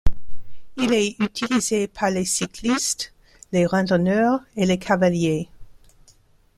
Il est utilisé par les cyclistes, les randonneurs et les cavaliers.